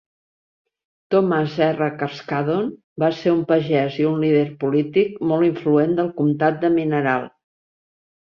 Thomas R. Carskadon va ser un pagès i un líder polític molt influent del comtat de Mineral.